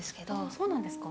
そうなんですか。